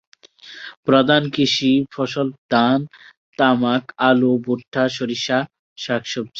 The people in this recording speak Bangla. প্রধান কৃষি ফসল ধান, তামাক, আলু, ভুট্টা, সরিষা, শাকসবজি।